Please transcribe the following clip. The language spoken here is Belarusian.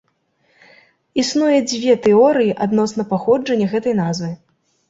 Існуе дзве тэорыі адносна паходжання гэтай назвы.